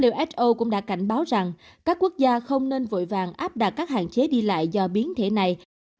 who cũng đã cảnh báo rằng các quốc gia không nên vội vàng áp đặt các hạn chế đi lại do biến thể này